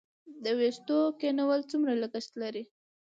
د ویښتو کینول څومره لګښت لري؟